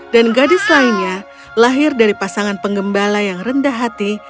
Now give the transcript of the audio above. dan gadis lainnya lahir dari pasangan penggembala yang rendah hati